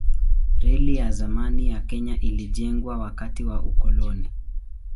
Reli ya zamani ya Kenya ilijengwa wakati wa ukoloni.